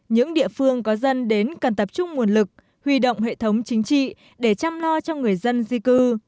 những địa phương có dân đến cần tập trung nguồn lực huy động hệ thống chính trị để chăm lo cho người dân di cư